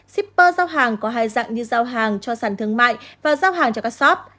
shipper giao hàng có hai dạng như giao hàng cho sản thương mại và giao hàng cho các shop